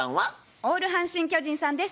オール阪神・巨人さんです。